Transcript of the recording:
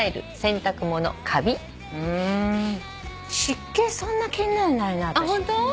湿気そんな気になんないな私。